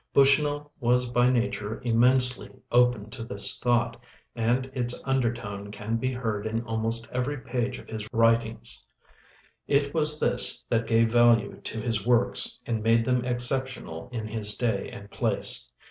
Bushnell was by nature immensely open to this thought, and its undertone can be heard in almost every page of his writings. It was this that gave value to his works and made them exceptional in his day and place.